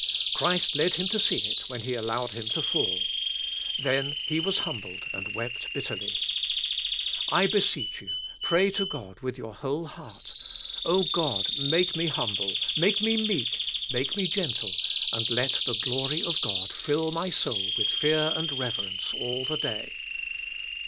Christ led him to see it when He allowed him to fall. Then he was humbled and wept bitterly. I beseech you, pray to God with your whole heart, "Oh! God, make me humble, make me meek, make me gentle, and let the glory of God fill my soul with fear and CHRIST BRINGING US TO GOD. 141 reverence all the day."